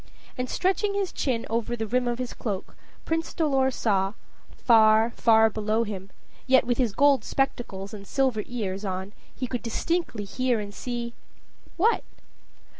And, stretching his chin over the rim of his cloak, Prince Dolor saw far, far below him, yet, with his gold spectacles and silver ears on, he could distinctly hear and see what?